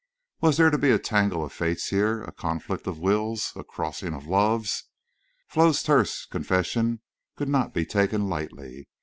Was there to be a tangle of fates here, a conflict of wills, a crossing of loves? Flo's terse confession could not be taken lightly.